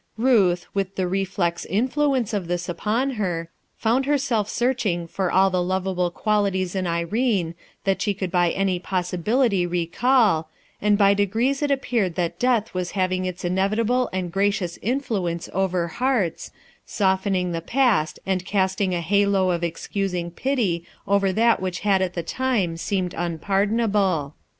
Ruth, with the reflex influence or this upon her, found herself searching for all the lovable qualities in Irene that she could by any pos sibility recall, and by degrees it appeared that death Was having its inevitable and gracious influence over hearts, softening the past and casting a halo of excusing pity over that which had at the time seemed unpardonable.